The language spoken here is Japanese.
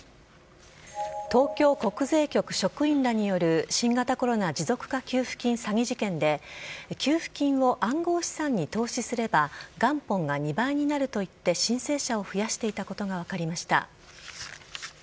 東京国税局職員らによる新型コロナ持続化給付金詐欺事件で給付金を暗号資産に投資すれば元本が２倍になると言って申請者を増やしていたことが分かりました。